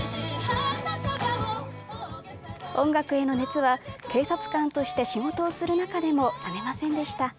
音楽への熱は警察官として仕事をする中でも冷めませんでした。